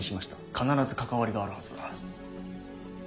必ず関わりがあるはずだ。